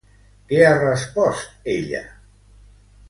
Què ha respost ella?